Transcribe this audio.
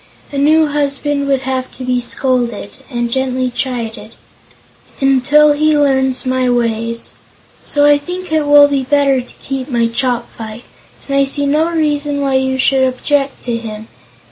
A new husband would have to be scolded and gently chided until he learns my ways. So I think it will be better to keep my Chopfyt, and I see no reason why you should object to him.